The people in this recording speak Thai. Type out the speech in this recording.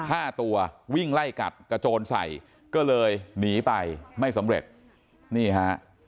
ห้าตัววิ่งไล่กัดกระโจนใส่ก็เลยหนีไปไม่สำเร็จนี่ฮะ